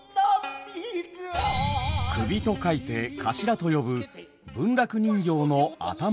首と書いて「かしら」と呼ぶ文楽人形の頭の部分。